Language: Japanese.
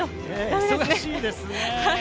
忙しいですね。